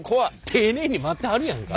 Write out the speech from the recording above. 丁寧に待ってはるやんか。